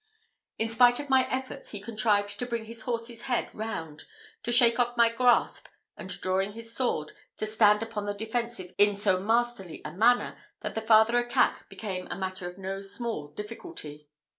In spite of my efforts, he contrived to bring his horse's head round, to shake off my grasp, and drawing his sword, to stand upon the defensive in so masterly a manner, that the farther attack became a matter of no small difficulty.